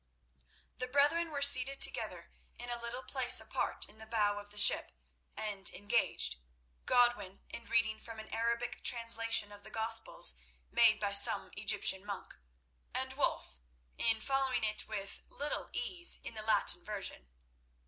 The brethren were seated together in a little place apart in the bow of the ship, and engaged, Godwin in reading from an Arabic translation of the Gospels made by some Egyptian monk, and Wulf in following it with little ease in the Latin version.